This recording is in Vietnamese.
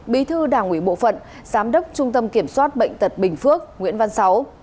bí thư đảng ubktnb giám đốc trung tâm kiểm soát bệnh tật bình phước nguyễn văn sáu